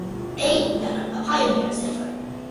A. Becker, a pioneer settler.